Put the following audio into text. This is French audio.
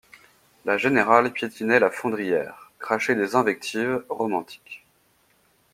La générale piétinait la fondrière, crachait des invectives romantiques.